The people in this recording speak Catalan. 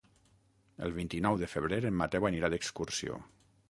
El vint-i-nou de febrer en Mateu anirà d'excursió.